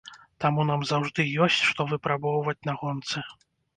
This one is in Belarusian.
Таму нам заўжды ёсць што выпрабоўваць на гонцы.